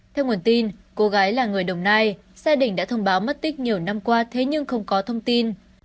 theo nguồn tin cô gái là người đồng nai gia đình đã thông báo mất tích nhiều năm qua thế nhưng không có thông tin